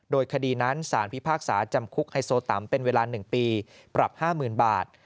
โดยคดีนั้นสารพิพากษาจำคุกไฮโซตัมเป็นเวลาหนึ่งปีปรับห้าหมื่นบาท